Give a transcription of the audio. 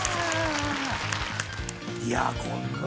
いやこんなの。